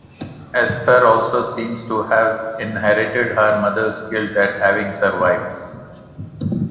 Esther also seems to have inherited her mother's "guilt at having survived".